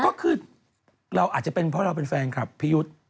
ก็คือเราอาจจะเป็นเพราะเราเป็นแฟนคลับพี่ยุทธ์